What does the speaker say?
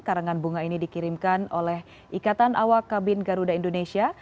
karangan bunga ini dikirimkan oleh ikatan awak kabin garuda indonesia